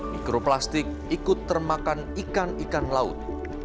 mikroplastik ikut termakan ikan ikan laut